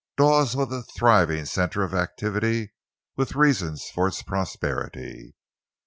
Dawes was a thriving center of activity, with reasons for its prosperity.